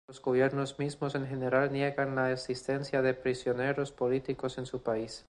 Los gobiernos mismos en general niegan la existencia de prisioneros políticos en su país.